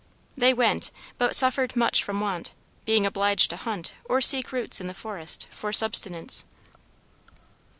They went, but suffered much from want, being obliged to hunt, or seek roots in the forest, for subsistence.